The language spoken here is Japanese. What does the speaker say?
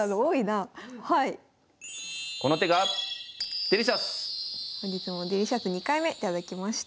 本日もデリシャス２回目頂きました。